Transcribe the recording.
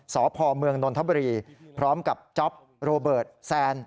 สพเมืองนนทบุรีพร้อมกับจ๊อปโรเบิร์ตแซน